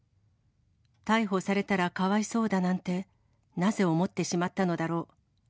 逮捕されたらかわいそうだなんて、なぜ思ってしまったのだろう。